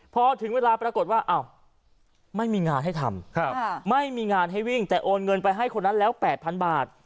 พอถึงเวลาปรากฏว่าอ้าวไม่มีงานให้ทำไม่มีงานให้วิ่งแต่โอนเงินไปให้คนนั้นแล้ว๘๐๐๐บาท